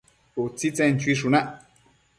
Utsitsen chuishunac